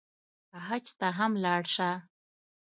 حج ته هم لاړ شه.